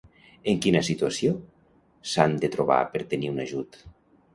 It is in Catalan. En quina situació s'han de trobar per tenir un ajut?